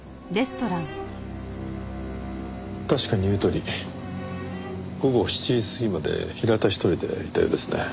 確かに言うとおり午後７時過ぎまで平田一人でいたようですね。